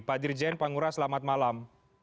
pak dirjen pak ngurah selamat malam